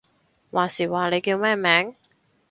話時話，你叫咩名？